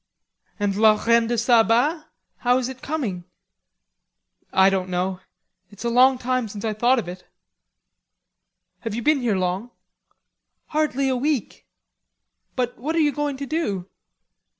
"And la Reine de Saba, how is it coming?" "I don't know. It's a long time since I thought of it.... You have been here long?" "Hardly a week. But what are you going to do?"